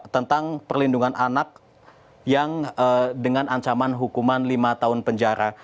tentang perlindungan anak yang dengan ancaman hukuman lima tahun penjara